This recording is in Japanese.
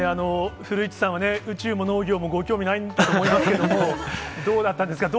古市さんは宇宙も農業もご興味ないんだと思いますけれども、どうだったですか？